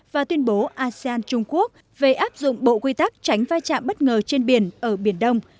và tuyên bố asean trung quốc về áp dụng bộ quy tắc tránh va chạm bất ngờ trên biển ở biển đông